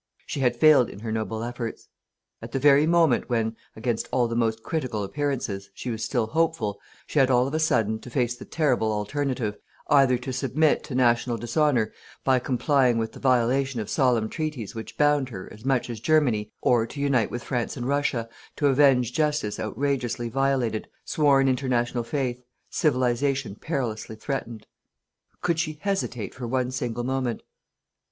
She had failed in her noble efforts. At the very moment when, against all the most critical appearances, she was still hopeful, she had, all of a sudden, to face the terrible alternative, either to submit to national dishonour by complying with the violation of solemn treaties which bound her as much as Germany, or to unite with France and Russia to avenge Justice outrageously violated, sworn international Faith, Civilization perilously threatened." "Could she hesitate for one single moment?"